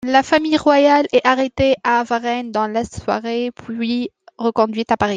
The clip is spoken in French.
La famille royale est arrêtée à Varennes dans la soirée, puis reconduite à Paris.